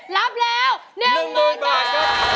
รับแล้ว๑๐๐๐บาท